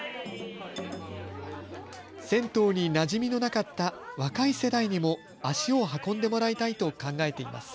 銭湯になじみのなかった若い世代にも足を運んでもらいたいと考えています。